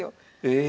え。